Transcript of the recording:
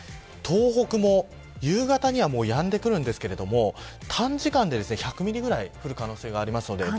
東北も、夕方にはやんでくるんですけれども短時間で１００ミリぐらい降る可能性があります。